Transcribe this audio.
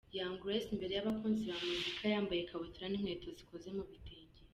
Young Grace imbere y’abakunzi bamuzika yambaye ikabutura n’inkweto zikoze mu bitenge.